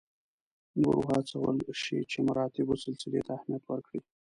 نور وهڅول شي چې مراتبو سلسلې ته اهمیت ورکړي.